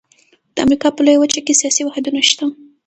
د امریکا په لویه وچه کې سیاسي واحدونه شته.